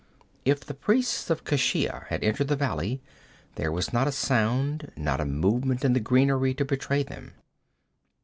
If the priests of Keshia had entered the valley there was not a sound, not a movement in the greenery to betray them.